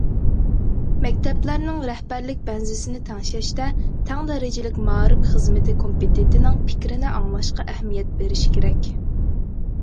مەكتەپلەرنىڭ رەھبەرلىك بەنزىسىنى تەڭشەشتە، تەڭ دەرىجىلىك مائارىپ خىزمىتى كومىتېتىنىڭ پىكرىنى ئاڭلاشقا ئەھمىيەت بېرىش كېرەك.